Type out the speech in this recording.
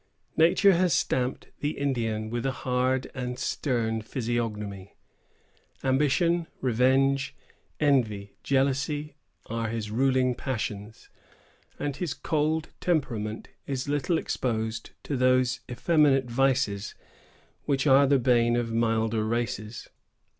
Nature has stamped the Indian with a hard and stern physiognomy. Ambition, revenge, envy, jealousy, are his ruling passions; and his cold temperament is little exposed to those effeminate vices which are the bane of milder races.